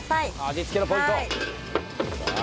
味付けのポイント。